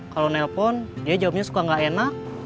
kalau nelpon dia jawabnya suka gak enak